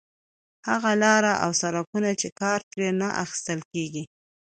هغه لارې او سړکونه چې کار ترې نه اخیستل کېږي.